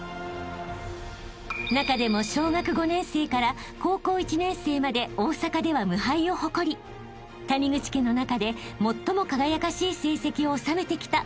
［中でも小学５年生から高校１年生まで大阪では無敗を誇り谷口家の中で最も輝かしい成績を収めてきた茉輝さん］